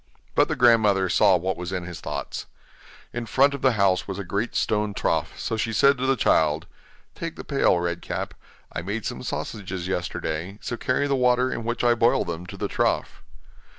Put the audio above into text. But the grandmother saw what was in his thoughts. In front of the house was a great stone trough, so she said to the child: 'Take the pail, Red Cap; I made some sausages yesterday, so carry the water in which I boiled them to the trough.